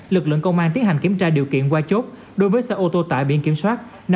lực lượng công an tiến hành kiểm tra điều kiện qua chốt đối với xe ô tô tải biển kiểm soát